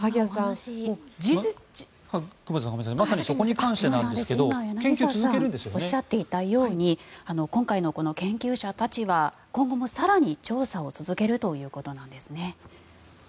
今、柳澤さんがおっしゃっていたように今回の研究者たちは今後も更に調査を続けるということなんですね。